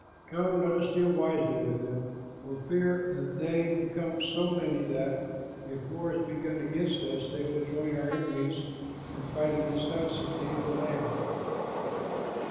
Come, let us deal wisely with them, for fear that they become so many that, if war is begun against us, they will join our enemies and fight against us and leave the land."